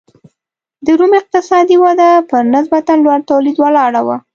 د روم اقتصادي وده پر نسبتا لوړ تولید ولاړه وه.